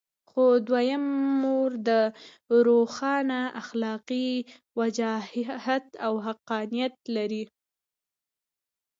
خو دویم مورد روښانه اخلاقي وجاهت او حقانیت لري.